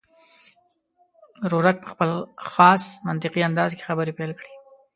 ورورک په خپل خاص منطقي انداز کې خبرې پیل کړې.